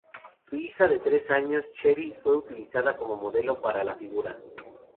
Su hija de tres años Cheri fue utilizada como modelo para la figura.